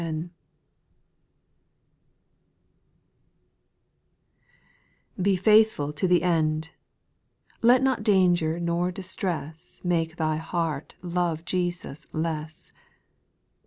11 E faithful to the end I B Let not danger nor distress 'o Make thy heart love Jesus less.